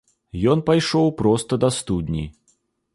Ён пайшоў проста да студні.